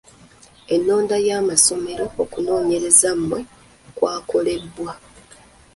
Ennonda y’amasomero okunoonyereza mwe kwakolebwa.